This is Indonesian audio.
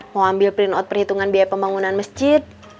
mau ambil print out perhitungan biaya pembangunan masjid